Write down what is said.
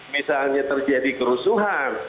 misalnya terjadi kerusuhan